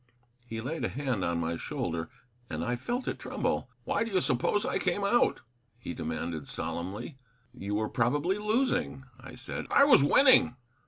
He laid a hand on my shoulder, and I felt it tremble. "Why do you suppose I came out?" he demanded solemnly. "You were probably losing," I said. "I was winning."